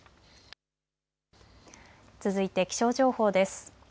続いて気象情報です。